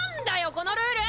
このルール！